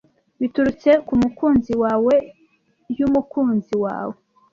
biturutse ku mukunzi wawe y'umukunzi wawe